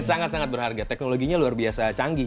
sangat sangat berharga teknologinya luar biasa canggih